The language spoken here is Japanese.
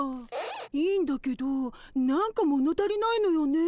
いいんだけど何か物足りないのよね。